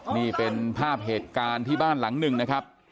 นี่เป็นภาพเหตุการณ์ที่บ้านหลังหนึ่งนะครับ